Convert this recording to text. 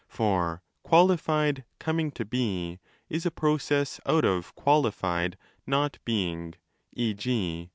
For qualified coming to be is a process out of qualified not being 5 (e.g.